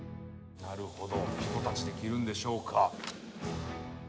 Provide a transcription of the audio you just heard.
なるほど一太刀で斬るんでしょうか？